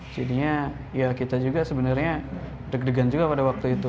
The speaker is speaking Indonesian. jadinya ya kita juga sebenarnya deg degan juga pada waktu itu